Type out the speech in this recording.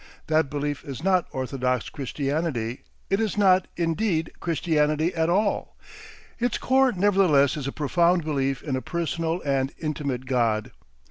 That belief is not orthodox Christianity; it is not, indeed, Christianity at all; its core nevertheless is a profound belief in a personal and intimate God.